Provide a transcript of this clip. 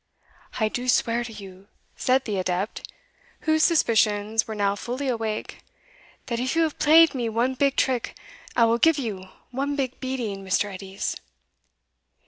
"I do swear to you," said the adept, whose suspicions were now fully awake, "that if you have played me one big trick, I will give you one big beating, Mr. Edies."